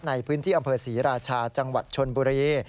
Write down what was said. ในพื้นที่อำเภอศรีราชาจังหวัดชนบุรี